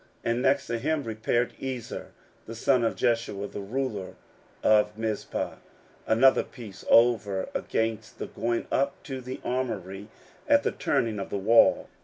16:003:019 And next to him repaired Ezer the son of Jeshua, the ruler of Mizpah, another piece over against the going up to the armoury at the turning of the wall.